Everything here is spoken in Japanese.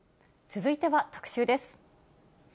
続いては特集です。